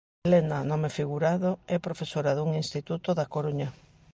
Helena, nome figurado, é profesora dun instituto da Coruña.